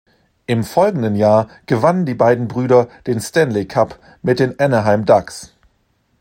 Im folgenden Jahr gewannen die beiden Brüder den Stanley Cup mit den Anaheim Ducks.